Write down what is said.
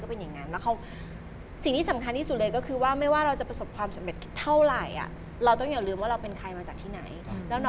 พี่นี่ไม่รู้เรื่องเลยเหรอ